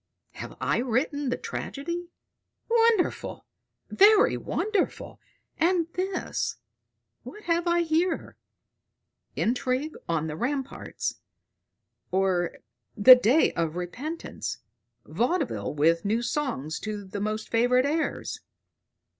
Have I written the tragedy? Wonderful, very wonderful! And this what have I here? 'INTRIGUE ON THE RAMPARTS; or THE DAY OF REPENTANCE: vaudeville with new songs to the most favorite airs.'